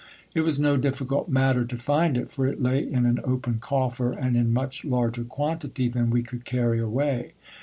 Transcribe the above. It was no difficult matter to find it ; for it lay in an open coffer, and in much larger quantity than we could carry away.